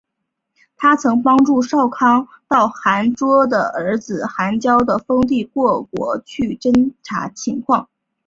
她曾帮助少康到寒浞的儿子寒浇的封地过国去侦察情况。